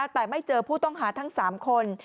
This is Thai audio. แต่ไม่เจอผู้ต้องหาทั้ง๓คน